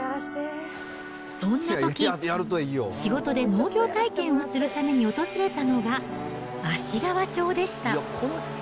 そんなとき、仕事で農業体験をするために訪れたのが、芦川町でした。